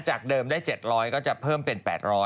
จากเดิมได้๗๐๐ก็จะเพิ่มเป็น๘๐๐